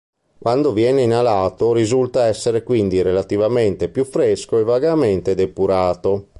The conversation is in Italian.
Quando viene inalato risulta essere quindi relativamente più fresco e vagamente depurato.